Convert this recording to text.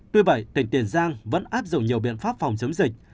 tuy vậy tỉnh tiền giang vẫn áp dụng nhiều biện pháp phòng chống dịch